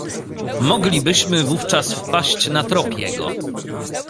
"Moglibyśmy wówczas wpaść na trop jego."